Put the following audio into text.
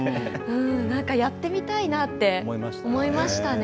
やってみたいなって思いましたね。